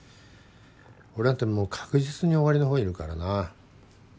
俺なんてもう確実に終わりの方いるからな